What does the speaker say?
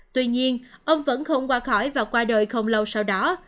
tuy nhiên ông vẫn không qua khỏi và qua đời không lâu sau đó